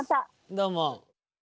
どうも。